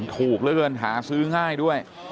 ถูกเลยแล้วหายาซื้อง่ายด้วย